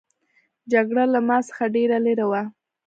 جګړه له ما څخه ډېره لیري وه.